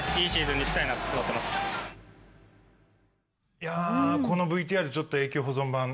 いやこのＶＴＲちょっと永久保存版。